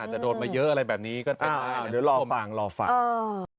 อาจจะโดนมาเยอะอะไรแบบนี้ก็จะได้อ้าวเดี๋ยวรอฟังรอฟังเออ